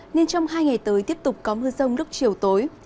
nên trong hai ngày tới tiếp tục có mưa rông lúc chiều tối